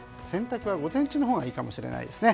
洗濯は午前中のほうがいいかもしれません。